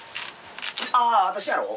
ああ私やろ？